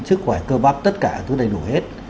sức khỏe cơ bắp tất cả đầy đủ hết